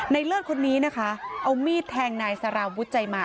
เลิศคนนี้นะคะเอามีดแทงนายสารวุฒิใจมา